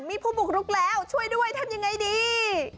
มีผู้บุกรุกแล้วช่วยด้วยทำยังไงดี